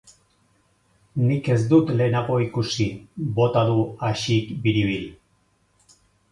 Nik ez dut lehenago ikusi! Bota du Axik biribil.